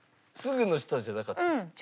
すぐの人じゃなかったです。